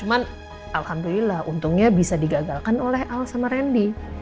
alhamdulillah untungnya bisa digagalkan oleh el sama randy